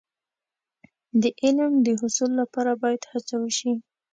د علم د حصول لپاره باید هڅه وشي.